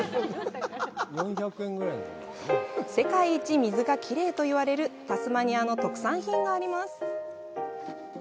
世界一水がきれいといわれるタスマニアの特産品があります。